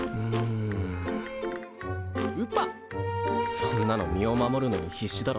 そんなの身を守るのに必死だろ。